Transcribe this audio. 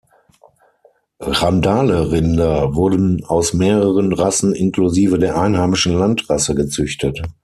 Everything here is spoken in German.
Randall-Rinder wurden aus mehreren Rassen inklusive der einheimischen Landrasse gezüchtet.